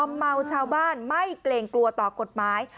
เมาชาวบ้านไม่เกรงกลัวต่อกฎหมาย